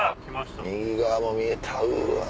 右側も見えたうわ。